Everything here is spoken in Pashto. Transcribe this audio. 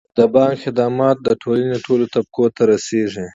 د بانک خدمات د ټولنې ټولو طبقو ته رسیږي.